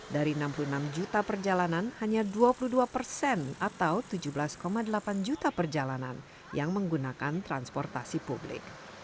dari enam puluh enam juta perjalanan hanya dua puluh dua persen atau tujuh belas delapan juta perjalanan yang menggunakan transportasi publik